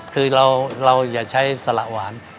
คือเราอย่าใช้สละหวาน